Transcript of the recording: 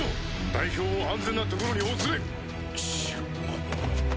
代表を安全な所にお連れしろ。